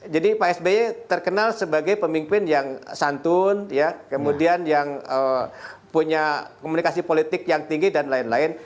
jadi pak sby terkenal sebagai pemimpin yang santun kemudian yang punya komunikasi politik yang tinggi dan lain lain